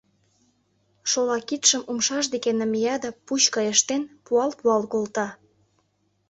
Шола кидшым умшаж деке намия да, пуч гай ыштен, пуал-пуал колта.